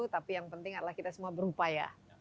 tapi yang penting adalah kita semua berupaya